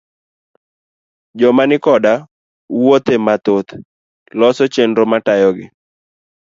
Joma ni koda wuothe mathoth, loso chenro matayogi